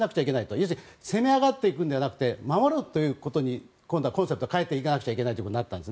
要するに攻め上がっていくのではなく回ることにコンセプトを変えていかないといけなくなったんです。